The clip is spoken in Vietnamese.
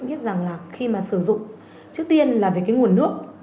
biết rằng là khi mà sử dụng trước tiên là về cái nguồn nước